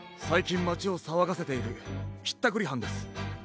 さいきんまちをさわがせているひったくりはんです。